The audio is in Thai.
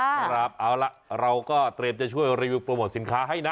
เอาล่ะเราก็เตรียมจะช่วยรีวิวโปรโมทสินค้าให้นะ